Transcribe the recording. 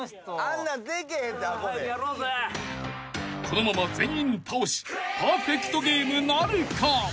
［このまま全員倒しパーフェクトゲームなるか？］